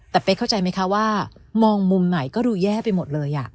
แต่เป๊กเข้าใจไหมคะว่ามองมุมไหนก็ดูแย่ไปหมดเลย